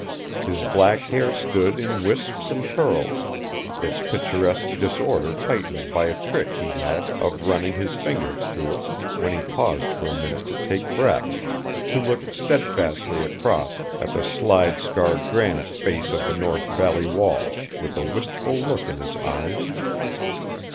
His black hair stood in wisps and curls, its picturesque disorder heightened by a trick he had of running his fingers through it when he paused for a minute to take breath, to look steadfastly across at the slide scarred granite face of the north valley wall, with a wistful look in his eyes.